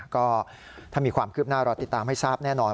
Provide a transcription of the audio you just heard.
ก็ถ้ามีความคืบหน้ารอติดตามให้ทราบแน่นอน